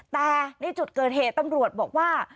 แต่ในจุดเกิดเหตุตำรวจบอกว่า